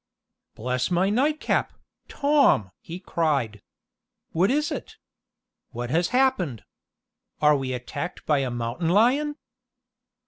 "Bless my nightcap, Tom!" he cried. "What is it? What has happened? Are we attacked by a mountain lion?"